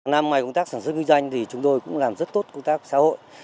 năm ngoài công tác sản xuất kinh doanh thì chúng tôi cũng làm rất tốt công tác xã hội